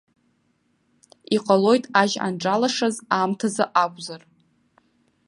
Иҟалоит, ажь анҿалашаз аамҭазы акәзар.